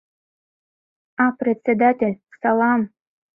А председатель, салам!